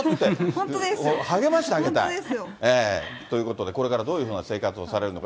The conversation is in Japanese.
本当ですよ。ということでこれからどういうふうな生活をされるのか。